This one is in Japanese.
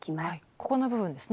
ここの部分ですね。